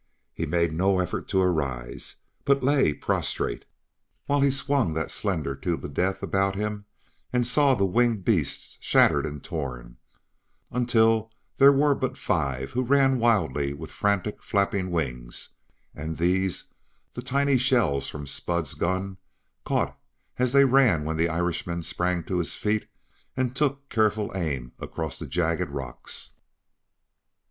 And he made no effort to arise, but lay prostrate, while he swung that slender tube of death about him and saw the winged beasts shattered and torn until there were but five who ran wildly with frantic, flapping wings; and these the tiny shells from Spud's gun caught as they ran when the Irishman sprang to his feet and took careful aim across the jagged rocks.